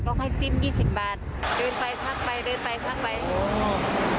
เดินไปขักไปเดินไปขักไป